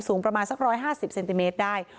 สูงประมาณสัก๑๕๐เซนติเมตรได้